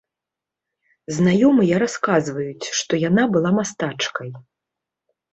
Знаёмыя расказваюць, што яна была мастачкай.